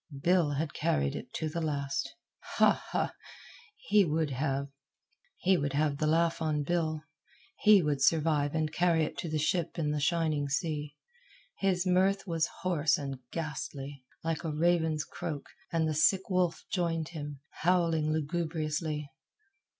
Bill had carried it to the last. Ha! ha! He would have the laugh on Bill. He would survive and carry it to the ship in the shining sea. His mirth was hoarse and ghastly, like a raven's croak, and the sick wolf joined him, howling lugubriously.